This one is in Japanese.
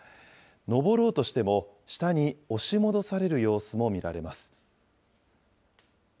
上ろうとしても下に押し戻される様子も見られます。